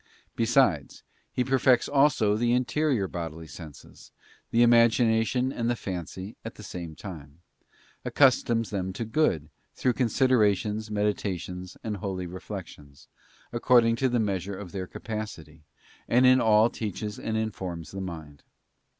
Besides, He perfects also the interior bodily senses, the imagination and the fancy, at the same time; accustoms them to good, through considerations, meditations, and holy reflections, according to the measure of their capacity, and in all teaches and informs the mind.